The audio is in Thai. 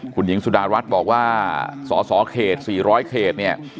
คุณหญิงสุดารัฐบอกว่าสสเขต๔๐๐เขตเนี่ย